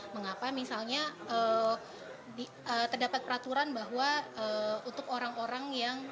mengapa misalnya terdapat peraturan bahwa untuk orang orang yang